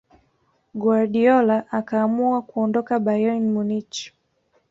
guardiola akaamua kuondoka bayern munich